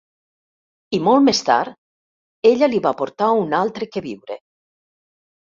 I molt més tard, ella li va portar un altre queviure.